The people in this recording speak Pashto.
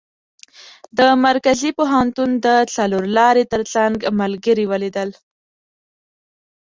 د مرکزي پوهنتون د څلور لارې تر څنګ ملګري ولیدل.